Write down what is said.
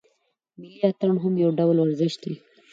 ملي اتڼ هم یو ډول ورزش دی.